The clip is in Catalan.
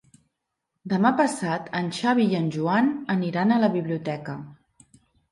Demà passat en Xavi i en Joan aniran a la biblioteca.